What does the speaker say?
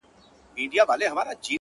ستا د غزلونو و شرنګاه ته مخامخ يمه ـ